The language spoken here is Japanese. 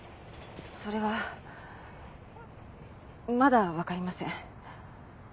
それはまだわかりません。